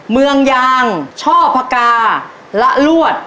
เมืองยางช่อพกาละลวด